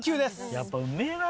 やっぱうめぇな。